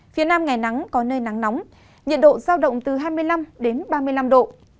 phía nam ngày nắng có nơi nắng nóng nhiệt độ giao động từ hai mươi năm đến ba mươi năm độ